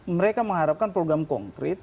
mereka mengharapkan program konkret